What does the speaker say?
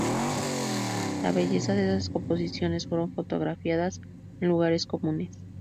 La belleza de esas composiciones fueron fotografiadas en lugares comunes.